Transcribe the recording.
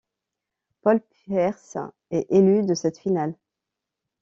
Paul Pierce est élu de cette finale.